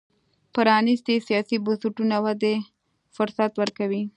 پرانیستي سیاسي بنسټونه ودې فرصت ورکوي.